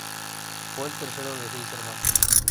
Fue el tercero de seis hermanos.